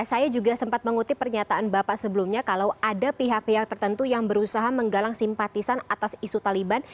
saya juga sempat mengutip pernyataan bapak sebelumnya kalau ada pihak pihak tertentu yang berusaha menggalang simpatisan atas isu taliban